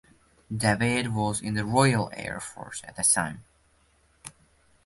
David was in the Royal Air Force at the time.